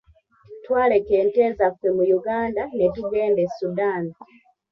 Twaleka ente zaffe mu Uganda ne tugenda e Sudan.